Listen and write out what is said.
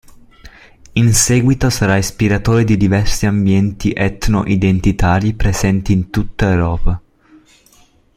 In seguito, sarà ispiratore di diversi ambienti etno-identitari presenti in tutta Europa.